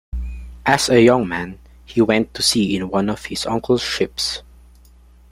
As a young man he went to sea in one of his uncle's ships.